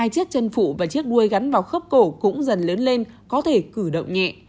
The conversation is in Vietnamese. hai chiếc chân phụ và chiếc đuôi gắn vào khớp cổ cũng dần lớn lên có thể cử động nhẹ